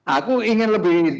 aku ingin lebih